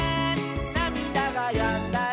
「なみだがやんだら」